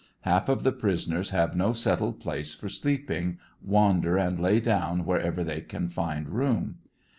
Half of the prisoners have no settled place for sleeping, wander and lay down wherever they can find room.